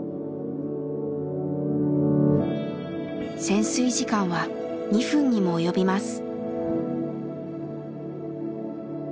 潜水時間は２分にも及びます。